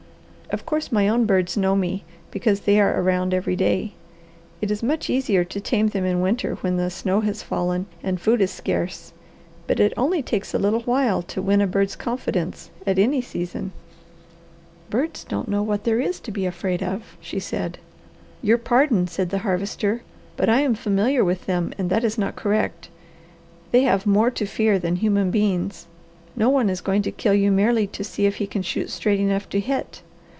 Of course, my own birds know me, because they are around every day. It is much easier to tame them in winter, when the snow has fallen and food is scarce, but it only takes a little while to win a bird's confidence at any season." "Birds don't know what there is to be afraid of," she said. "Your pardon," said the Harvester, "but I am familiar with them, and that is not correct. They have more to fear than human beings. No one is going to kill you merely to see if he can shoot straight enough to hit.